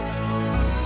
pancah aja nath